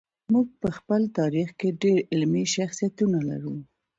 موږ په خپل تاریخ کې ډېر علمي شخصیتونه لرو.